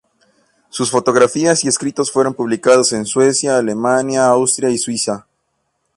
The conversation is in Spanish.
Sus fotografías y escritos fueron publicados en Suecia, Alemania, Austria y Suiza.